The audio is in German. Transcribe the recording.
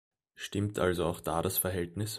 Stimmt also auch da das Verhältnis?